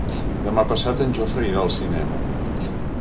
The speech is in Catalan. Demà passat en Jofre irà al cinema.